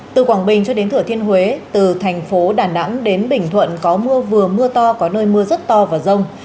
từ quảng bình cho đến thừa thiên huế từ thành phố đà nẵng đến bình thuận có mưa vừa mưa to có nơi mưa rất to và rông